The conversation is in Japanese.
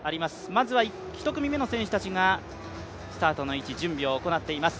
まずは１組目の選手たちがスタートの位置、準備を行っています。